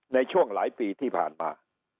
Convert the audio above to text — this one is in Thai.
ในช่วงหลายปีที่ผ่านมา